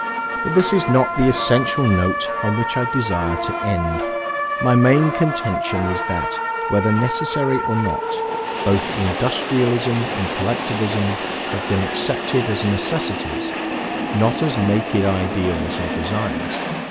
But this is not the essential note on which I desire to end. My main contention is that, whether necessary or not, both Industrialism and Collectivism have been accepted as necessities not as naked ideals or desires.